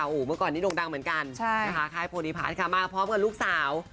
โอ้โหเมื่อก่อนนี้โด่งดังเหมือนกันนะคะค่ายโพธิพัฒน์ค่ะมาพร้อมกับลูกสาว